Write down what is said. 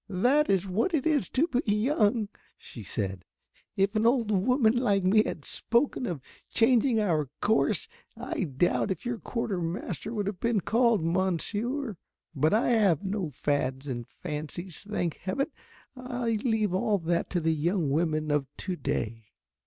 "That is what it is to be young," said she, "if an old woman like me had spoken of changing our course I doubt if your quarter master would have been called, Monsieur. But I have no fads and fancies, thank heaven, I leave all that to the young women of to day."